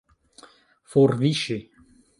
forviŝi